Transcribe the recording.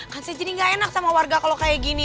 kan saya jadi gak enak sama warga kalau kayak gini